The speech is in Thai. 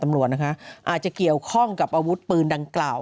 อาจจะเกี่ยวข้องกับอาวุธปืนดังกล่าว